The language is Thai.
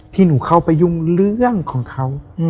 ที่หนูเข้าไปยุ่งเรื่องของเขา